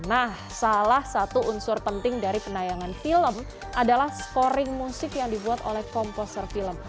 nah salah satu unsur penting dari penayangan film adalah scoring musik yang dibuat oleh komposer film